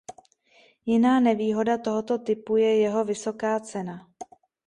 Jiná nevýhoda tohoto typu je jeho vysoká cena.